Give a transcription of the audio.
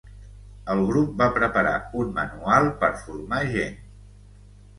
El grup va preparar un manual per formar gent.